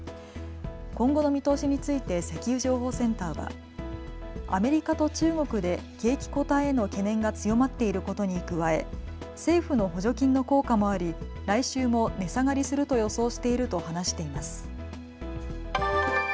今後の見通しについて石油情報センターはアメリカと中国で景気後退への懸念が強まっていることに加え政府の補助金の効果もあり来週も値下がりすると予想していると話しています。